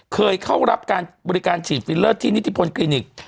เคยเข้ารับการบริการฉีดฟิลเลอร์ที่นิติพลคลินิก